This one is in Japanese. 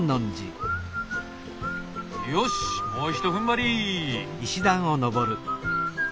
よしもうひと踏ん張り！